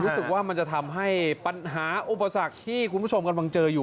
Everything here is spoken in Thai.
รู้สึกว่ามันจะทำให้ปัญหาอุปสรรคที่คุณผู้ชมกำลังเจออยู่